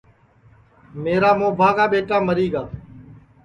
میرا مُوابھا کا ٻیٹا مری گا ہے